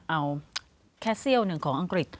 เอาแค่เสี้ยวหนึ่งของอังกฤษ